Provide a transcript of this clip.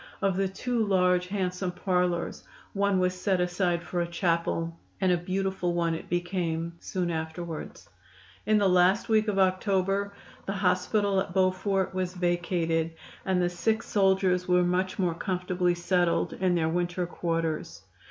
Of the two large handsome parlors one was set aside for a chapel, and a beautiful one it became soon afterwards. In the last week of October the hospital at Beaufort was vacated, and the sick soldiers were much more comfortably settled in their winter quarters.